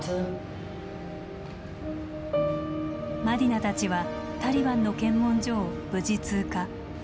マディナたちはタリバンの検問所を無事通過。